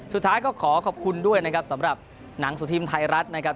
สุดท้ายก็ขอขอบคุณด้วยนะครับสำหรับหนังสือพิมพ์ไทยรัฐนะครับ